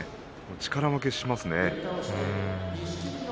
力負けしますね。